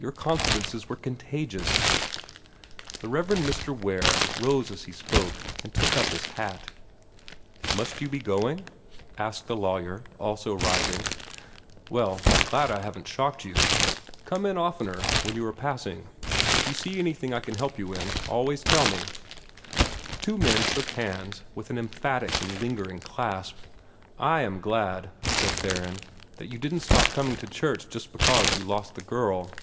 Your confidences were contagious." The Rev. Mr. Ware rose as he spoke, and took up his hat. "Must you be going?" asked the lawyer, also rising. "Well, I'm glad I haven't shocked you. Come in oftener when you are passing. And if you see anything I can help you in, always tell me." The two men shook hands, with an emphatic and lingering clasp. "I am glad," said Theron, "that you didn't stop coming to church just because you lost the girl."